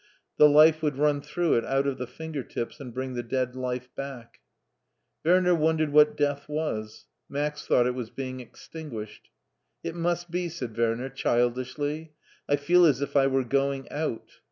The life would run through it out of the finger tips and bring the dead life back. Werner wondf ed what death was. Max thought it was being extinguished. " It must be." said Werner, childishly. '' I feel as if I were going out.